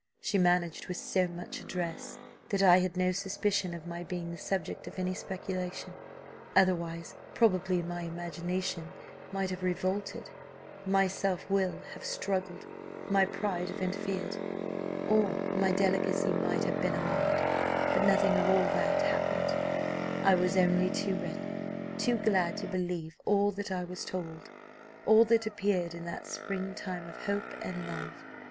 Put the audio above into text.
She managed with so much address, that I had no suspicion of my being the subject of any speculation otherwise, probably, my imagination might have revolted, my self will have struggled, my pride have interfered, or my delicacy might have been alarmed, but nothing of all that happened; I was only too ready, too glad to believe all that I was told, all that appeared in that spring time of hope and love.